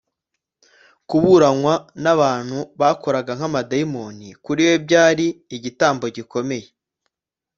kuburanywa n’abantu bakoraga nk’abadayimoni kuri we byari igitambo gikomeye